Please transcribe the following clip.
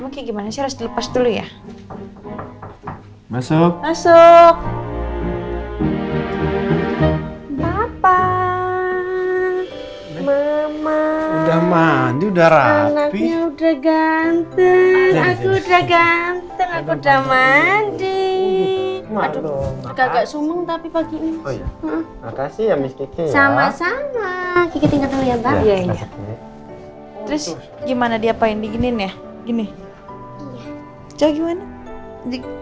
pagi pagi ini makasih sama sama kitinggatnya banget gimana diapain di gini nih gini jauh gimana